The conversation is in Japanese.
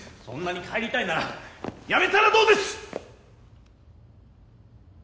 そんなに帰りたいなら辞めたらどうです！？